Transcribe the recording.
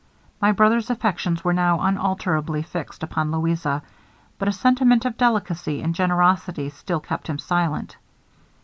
My brother's affections were now unalterably fixed upon Louisa, but a sentiment of delicacy and generosity still kept him silent.